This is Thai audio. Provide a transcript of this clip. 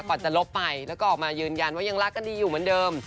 ก่อนจะลบไปแล้วก็ออกมายืนยันว่ายังรักกันดีอยู่เหมือนเดิม